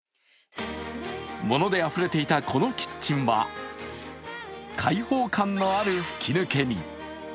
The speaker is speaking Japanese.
物であふれていたこのキッチンは解放感のある吹き抜けに。